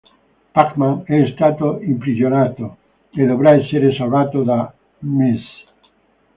Pac-Man è stato imprigionato e dovrà essere salvato da Ms.